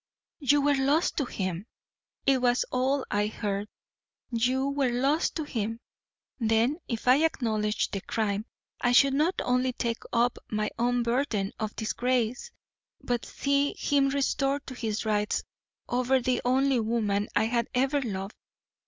"YOU were lost to him! It was all I heard. YOU were lost to him! Then, if I acknowledged the crime I should not only take up my own burden of disgrace, but see him restored to his rights over the only woman I had ever loved.